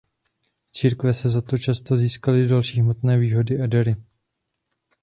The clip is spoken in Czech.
Církve za to často získaly další hmotné výhody a dary.